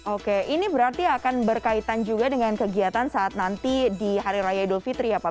oke ini berarti akan berkaitan juga dengan kegiatan saat nanti di hari raya idul fitri ya pak